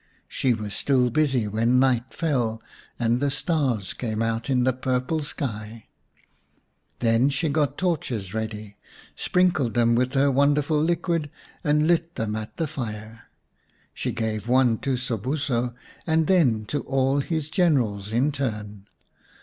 She was still busy when night fell and the stars came out in the purple sky. Then she got torches ready, sprinkled them with her wonderful liquid, and lit them at the fire. She gave one to Sobuso, and then to all his generals in turn.